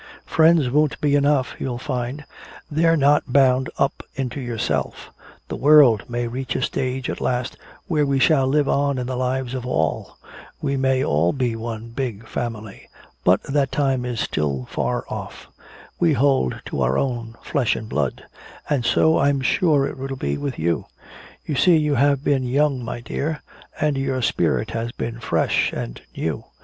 Friends won't be enough, you'll find, they're not bound up into yourself. The world may reach a stage at last where we shall live on in the lives of all we may all be one big family. But that time is still far off we hold to our own flesh and blood. And so I'm sure it will be with you. You see you have been young, my dear, and your spirit has been fresh and new.